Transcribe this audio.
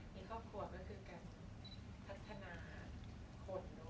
ในครอบครัวก็คือการพัฒนาคน